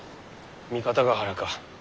三方ヶ原か。